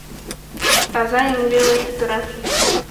Таза еҥ веле йытыра.